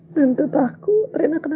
yang buruk sama rena